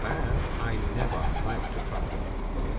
bad I never like to travel.